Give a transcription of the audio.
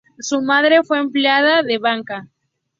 Su madre fue empleada de banca.